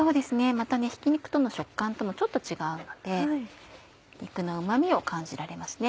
またひき肉との食感ともちょっと違うので肉のうま味を感じられますね。